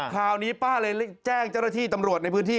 คราวนี้ป้าเลยแจ้งจรธิตำรวจในพื้นที่